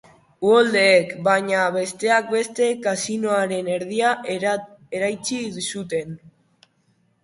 Uholdeek, baina, besteak beste, kasinoaren erdia eraitsi zuten.